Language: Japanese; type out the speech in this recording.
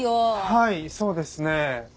はいそうですねえ。